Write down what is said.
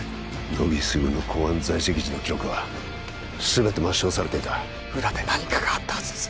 乃木卓の公安在籍時の記録は全て抹消されていた裏で何かがあったはずです